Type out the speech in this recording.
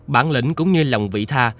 bản lĩnh cũng như lòng vị tha